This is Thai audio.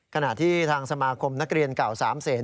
ขณะที่ทางสมาคมนักเรียนเก่า๓เสน